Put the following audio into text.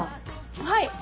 はい。